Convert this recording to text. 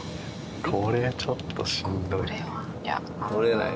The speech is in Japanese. これはちょっとしんどい。